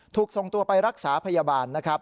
ถูกส่งตัวไปรักษาพยาบาลนะครับ